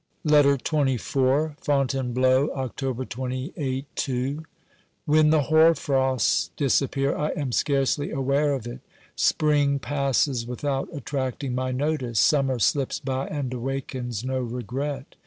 LETTER XXIV FONTAINEBLEAU, October 28 (II). When the hoar frosts disappear I am scarcely aware of it; spring passes without attracting my notice; summer slips by and awakens no regret.